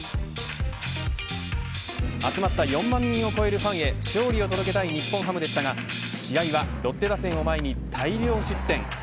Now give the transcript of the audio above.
集まった４万人を超えるファンへ勝利を届けたい日本ハムでしたが試合はロッテ打線を前に大量失点。